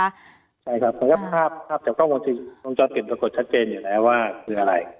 ใช่ครับแล้วก็ภาพภาพจากกล้องวงจรปิดปรากฏชัดเจนอยู่แล้วว่าคืออะไร